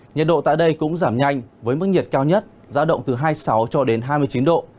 nhiệt độ tại đây cũng giảm nhanh với mức nhiệt cao nhất giá động từ hai mươi sáu cho đến hai mươi chín độ